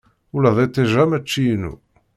Ula d iṭij-a mačči inu.